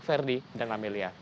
verdi dan amelia